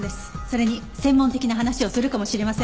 それに専門的な話をするかもしれません。